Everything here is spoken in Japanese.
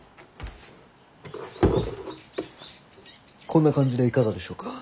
こんな感じでいかがでしょうか。